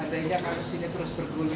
seandainya karus ini terus bergunyur